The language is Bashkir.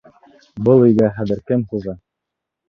Был өйгә хәҙер кем хужа?